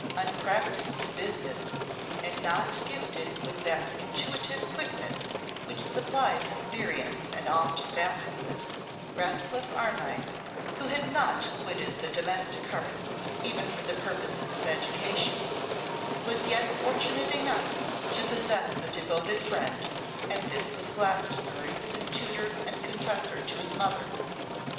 Unpractised in business, and not gifted with that intuitive quickness which supplies experience and often baffles it, Ratcliffe Armine, who had not quitted the domestic hearth even for the purposes of education, was yet fortunate enough to possess a devoted friend: and this was Glastonbury, his tutor, and confessor to his mother.